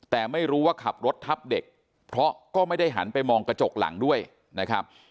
แต่ไม่รู้ว่าขับรถทับเด็กเพราะก็ไม่ได้หันไปมองกระจกหลังด้วยนะครับ